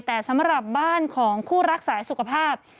แต่สำหรับบ้านของคู่รักสายสุขภาพ